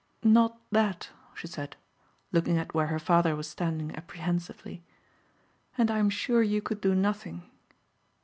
"Not that," she said, looking at where her father was standing apprehensively. "And I'm sure you could do nothing."